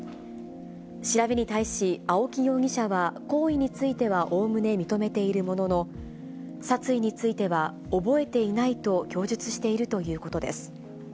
調べに対し、青木容疑者は、行為についてはおおむね認めているものの、殺意については覚えていないと供述しているということです。